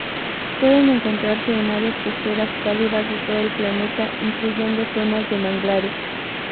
Pueden encontrarse en áreas costeras cálidas de todo el planeta, incluyendo zonas de manglares.